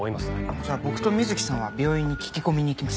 じゃあ僕と水木さんは病院に聞き込みに行きます。